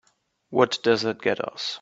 What does that get us?